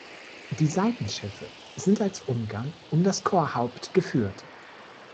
Die Seitenschiffe sind als Umgang um das Chorhaupt geführt.